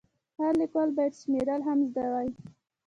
هر لیکوال باید شمېرل هم زده وای.